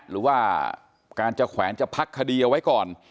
หรือว่าการจะแขวนจะพักคดีเอาไว้ก่อน